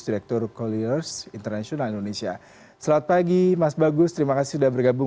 direktur colliers international indonesia selamat pagi mas bagus terima kasih sudah bergabung